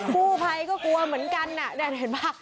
กู้ภัยก็กลัวเหมือนกันน่ะเห็นป่ะ